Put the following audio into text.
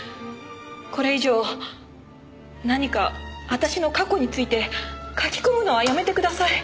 これ以上何か私の過去について書き込むのはやめてください。